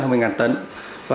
và sản phẩm